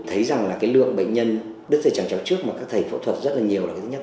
thấy rằng là cái lượng bệnh nhân đứt dây chẳng chéo trước mà các thầy phẫu thuật rất là nhiều là cái thứ nhất